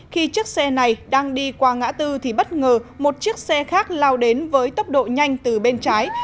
khi chiếc xe này đang đi qua ngã tư thì bất ngờ một chiếc xe khác lao đến với tốc độ nhanh từ bên trái